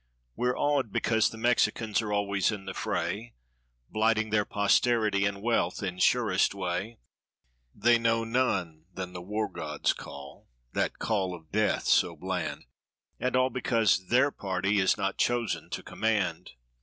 We're awed because the Mexicans are always in the fray. Blighting their posterity and wealth in surest way. They know none than the war god's call—that call of Death so bland— And all because their party is not chosen to command.